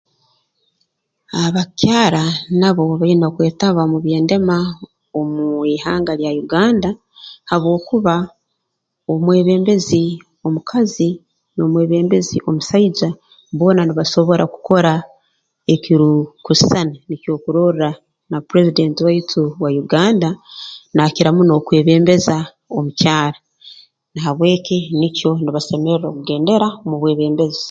Abakyara nabo baine kwetaba mu by'endema omu ihanga lya Uganda habwokuba omwebembezi omukazi n'omwebembezi omusaija boona nibasobora kukora ekirukusisana nikyo okurorra na president waitu wa Uganda nakira muno kwebembeza omukyara na habw'eki nikyo nibasemerra kugendera mu bwebembezi